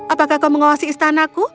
apakah kau mengawasi istanaku